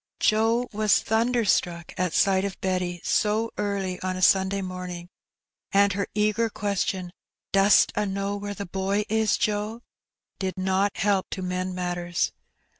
Joe was thunderstruck at sight of Betty so early on a Sunday morning, and her eager question, "Dost a' knaw where the boy is, Joe?'^ did not help to mend matters.